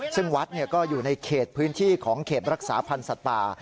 ซึ่งวัดก็อยู่ในเขตพื้นที่ของเขตรักษาพันธ์สัตว์ป่า